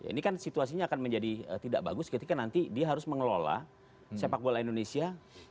ini kan situasinya akan menjadi tidak bagus ketika nanti dia harus mengelola sepak bola indonesia